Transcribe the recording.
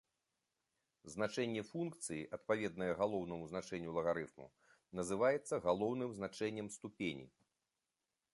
Значэнне функцыі, адпаведнае галоўнаму значэнню лагарыфму, называецца галоўным значэннем ступені.